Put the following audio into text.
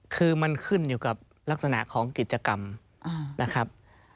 คือมันขึ้นอยู่กับลักษณะของกิจกรรมนะครับ